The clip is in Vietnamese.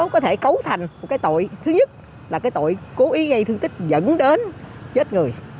có thể cấu thành một cái tội thứ nhất là cái tội cố ý gây thương tích dẫn đến chết người